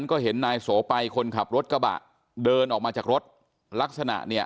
ออกมาจากรถลักษณะเนี่ย